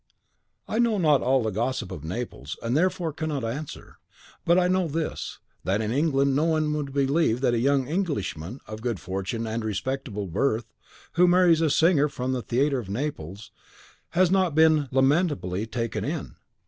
"I know not all the gossip of Naples, and therefore cannot answer; but I know this, that in England no one would believe that a young Englishman, of good fortune and respectable birth, who marries a singer from the theatre of Naples, has not been lamentably taken in.